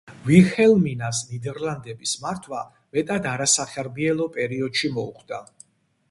ვილჰელმინას ნიდერლანდების მართვა მეტად არასახარბიელო პერიოდში მოუხდა.